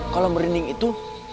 kalau merinding itu